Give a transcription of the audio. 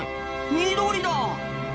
緑だ。